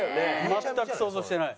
全く想像してない。